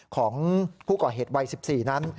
ของผู้ก่อเหตุวัย๑๔นั้น